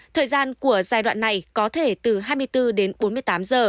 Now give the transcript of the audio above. thời gian của giai đoạn này có thể từ hai mươi bốn đến bốn mươi tám giờ